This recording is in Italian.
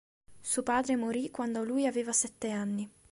Suo padre morì quando lui aveva sette anni.